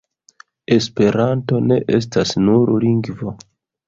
Esperanto ne estas nur lingvo.